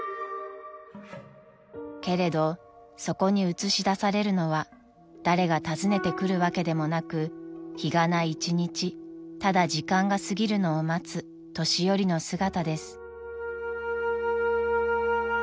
［けれどそこに映し出されるのは誰が訪ねてくるわけでもなく日がな一日ただ時間が過ぎるのを待つ年寄りの姿です］